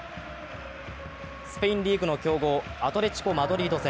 スペインリーグの強豪アトレチコ・マドリード戦。